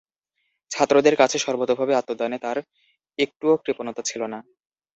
ছাত্রদের কাছে সর্বতোভাবে আত্মদানে তাঁর একটুও কৃপণতা ছিল না।